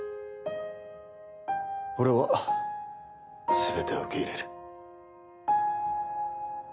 俺は全てを受け入れる。